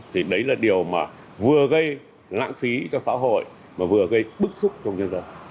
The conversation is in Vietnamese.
thì đấy là điều mà vừa gây lãng phí cho xã hội mà vừa gây bức xúc trong nhân dân